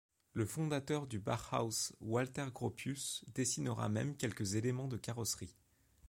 Le fondateur du Bauhaus Walter Gropius dessinera même quelques éléments de carrosserie.